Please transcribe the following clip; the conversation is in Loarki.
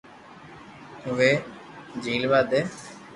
اوني جھيلوا دي